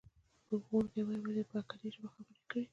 ښوونکی وایي، ولې دې په اکدي ژبه خبرې کړې؟